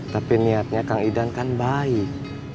tapi niatnya kang idan kan baik